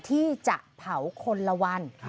ที่จะเผาคนละวัน